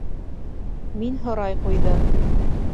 Мин һорай ҡуйҙым: